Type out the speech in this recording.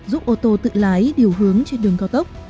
giúp ô tô tự lái điều hướng trên đường cao tốc